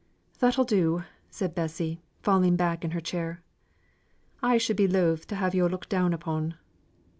"That'll do!" said Bessy, falling back in her chair. "I should be loth to have yo' looked down upon."